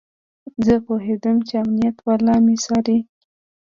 زه پوهېدم چې امنيت والا مې څاري.